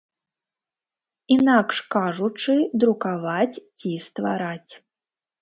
Інакш кажучы, друкаваць ці ствараць.